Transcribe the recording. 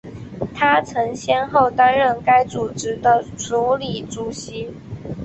她曾先后担任该组织的署理主席。